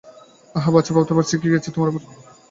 আহা বাছা, ভাবতে পারছি, কী গেছে তোমার ওপর দিয়ে।